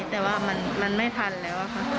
แต่ว่ามันไม่ทันแล้วค่ะ